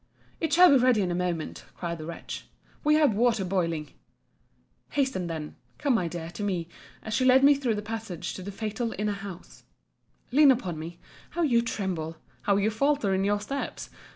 It shall be ready in a moment, cried the wretch. We have water boiling. Hasten, then—Come, my dear, to me, as she led me through the passage to the fatal inner house—lean upon me—how you tremble!—how you falter in your steps!